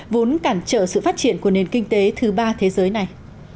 vốn cản trở sự phát triển của nền kinh tế thứ ba thế giới này